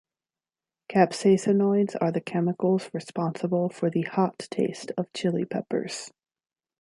Capsaicinoids are the chemicals responsible for the "hot" taste of chili peppers.